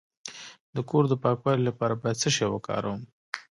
د کور د پاکوالي لپاره باید څه شی وکاروم؟